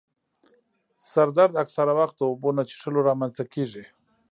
سر درد اکثره وخت د اوبو نه څیښلو رامنځته کېږي.